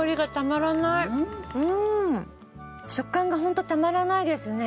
食感がホントたまらないですね！